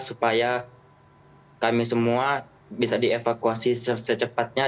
supaya kami semua bisa dievakuasi secepatnya